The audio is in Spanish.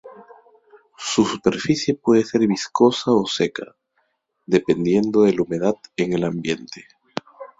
Su superficie puede ser viscosa o seca, dependiendo de la humedad en el ambiente.